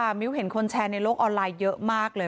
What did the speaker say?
มิ้วเห็นคนแชร์ในโลกออนไลน์เยอะมากเลย